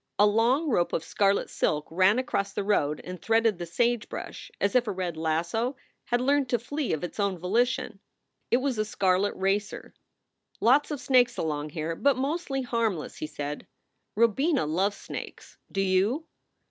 A long rope of scarlet silk ran across the road and threaded the sagebrush as if a red lasso had learned to flee of its own volition. It was a scarlet racer. "Lots of snakes along here, but mostly harmless," he said. "Robina loves snakes. Do you?"